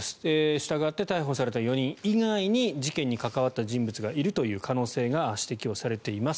したがって逮捕された４人以外に事件に関わった人物がいる可能性が指摘されています。